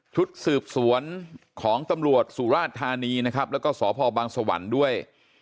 ชุดสืบสวนของตำรวจสุราชธานีนะครับแล้วก็สพบังสวรรค์ด้วย